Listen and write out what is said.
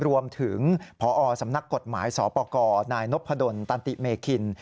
รวมถึงพอสำนักกฎหมายสปกรนายนพดลตันติเมคิน